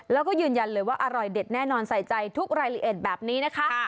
แล้วก็ยืนยันเลยว่าอร่อยเด็ดแน่นอนใส่ใจทุกรายละเอียดแบบนี้นะคะ